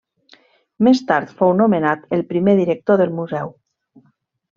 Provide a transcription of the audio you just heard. Més tard fou nomenat el primer director del museu.